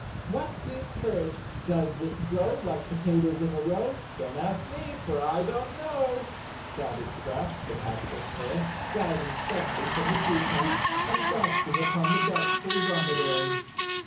" What is courage? Does it grow Like potatoes in a row? Don't ask me for I don't know! " shouted Scraps, the Patchwork Girl, diving suddenly from the tree top and bouncing upon the Doubtful Dromedary.